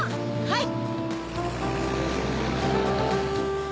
はい！